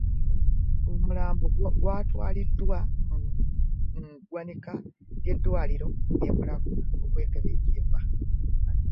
Omulambo gutwaliddwa mu ggwanika ly'eddwaliro e Mulago okwekebejjebwa